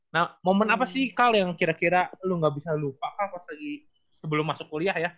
nah momen apa sih kak yang kira kira lu gak bisa lupa kah pas lagi sebelum masuk kuliah ya